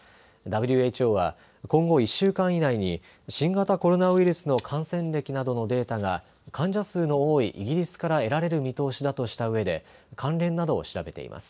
ＷＨＯは今後１週間以内に新型コロナウイルスの感染歴などのデータが患者数の多いイギリスから得られる見通しだとしたうえで関連などを調べています。